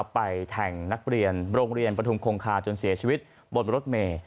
ไปแทงนักเรียนโรงเรียนปฐุมคงคาจนเสียชีวิตบนรถเมย์